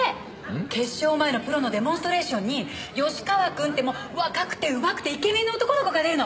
決勝前のプロのデモンストレーションに芳川くんってもう若くてうまくてイケメンの男の子が出るの！